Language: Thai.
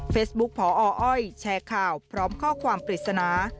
พออ้อยแชร์ข่าวพร้อมข้อความปริศนา